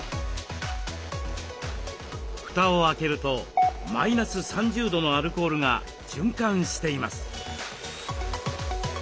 蓋を開けるとマイナス３０度のアルコールが循環しています。